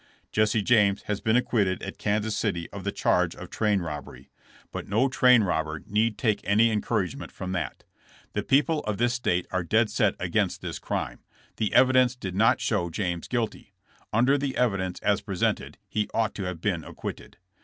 "Jesse James has been acquitted at Kansas City of the charge of train robbery. But no train robber THK TRIAI, for train ROBBERY. 185 need take any encouragement from that. The people of this state are dead set against this crime. The evidence did not show James guilty. Under the evi dence as presented he ought to have been acquitted.